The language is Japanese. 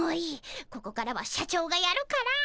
ここからは社長がやるから。